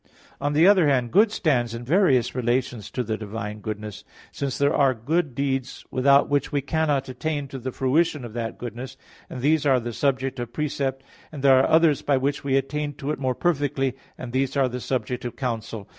On the other hand, good stands in various relations to the divine goodness, since there are good deeds without which we cannot attain to the fruition of that goodness, and these are the subject of precept; and there are others by which we attain to it more perfectly, and these are the subject of counsel.